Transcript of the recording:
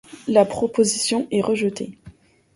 La proposition est rejetée.